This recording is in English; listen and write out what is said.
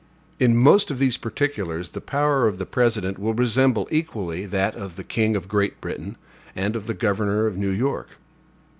In most of these particulars, the power of the President will resemble equally that of the king of Great Britain and of the governor of New York.